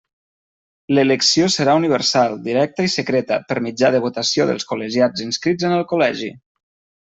L'elecció serà universal, directa i secreta, per mitjà de votació dels col·legiats inscrits en el Col·legi.